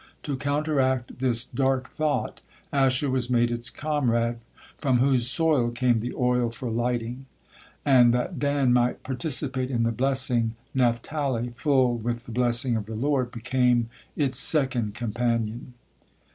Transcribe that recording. To counteract this "dark thought" Asher was made its comrade, from whose soil came "the oil for lighting;" and that Dan might participate in the blessing, Naphtali, "full with the blessing of the Lord," became its second companion.